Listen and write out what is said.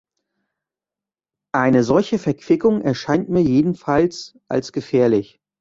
Eine solche Verquickung erscheint mir jedenfalls als gefährlich.